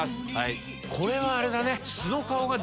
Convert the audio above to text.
これはあれだね。